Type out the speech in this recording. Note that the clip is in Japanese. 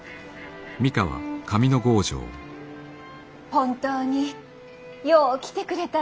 本当によう来てくれたなあ。